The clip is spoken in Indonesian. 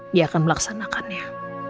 dia akan melaksanakannya